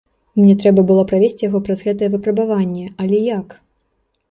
Мне трэба было правесці яго праз гэтае выпрабаванне, але як?